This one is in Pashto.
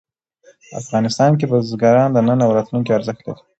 افغانستان کې بزګان د نن او راتلونکي ارزښت لري.